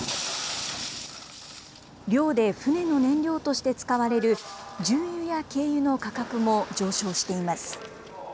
漁で船の燃料として使われる重油や軽油の価格も上昇しています。